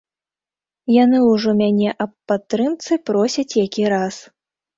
Яны ўжо мяне аб падтрымцы просяць які раз.